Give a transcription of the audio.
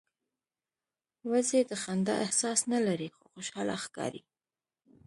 وزې د خندا احساس نه لري خو خوشاله ښکاري